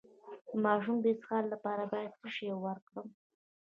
د ماشوم د اسهال لپاره باید څه شی ورکړم؟